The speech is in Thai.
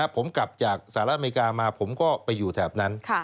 ผมกลับจากสหรัฐอเมริกามาผมก็ไปอยู่แถบนั้น